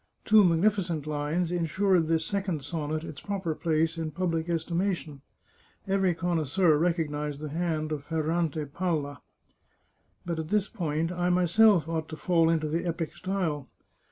Two magnificent lines insured this second sonnet its proper place in public estimation. Every connoisseur rec ognised the hand of Ferrante Palla. But at this point, I myself ought to fall into the epic style.